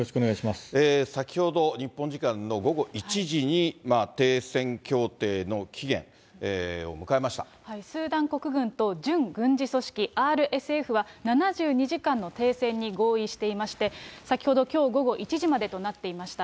先ほど日本時間の午後１時にスーダン国軍と準軍事組織ＲＳＦは、７２時間の停戦に合意していまして、先ほど、きょう午後１時までとなっていました。